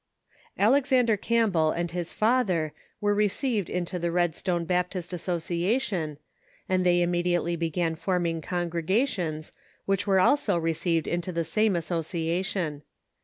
Alexander Campbell and his father wore received into Red stone Baptist Association, and they immediately began form ing congregations, which were also received into Leaves the ^|j^ same association.